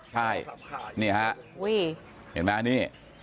ใช่นี่ครับเห็นไหมอันนี้